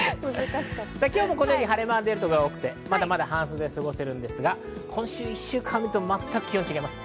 今日もこのように晴れ間が出るところが多くて、まだまだ半袖で過ごせるんですが、今週１週間を見ると全く気温が違います。